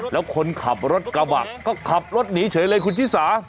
แล้วคนขับรถกระบะก็ขับรถหนีเฉยเลยคุณชิสา